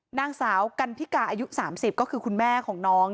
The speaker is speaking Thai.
นางสาวกันพิกาอายุ๓๐ก็คือคุณแม่ของน้อง